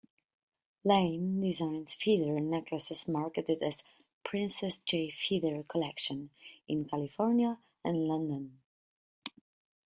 Lane designs feather necklaces marketed as "Princess J Feather Collection" in California and London.